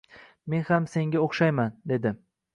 «Men ham senga o’xshayman» – dedi.